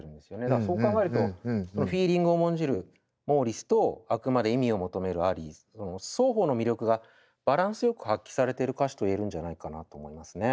だからそう考えるとフィーリングを重んじるモーリスとあくまで意味を求めるアリーの双方の魅力がバランスよく発揮されてる歌詞と言えるんじゃないかなと思いますね。